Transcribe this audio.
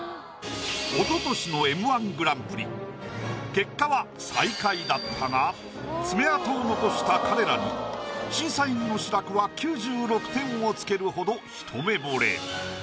結果は最下位だったが爪痕を残した彼らに審査員の志らくは９６点を付けるほどひと目ぼれ。